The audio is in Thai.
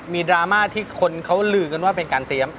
ดราม่าที่คนเขาลือกันว่าเป็นการเตรียม